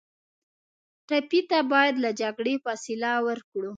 ټپي ته باید له جګړې فاصله ورکړو.